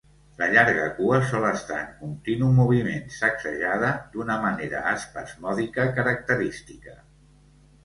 La llarga cua sol estar en continu moviment, sacsejada d'una manera espasmòdica característica.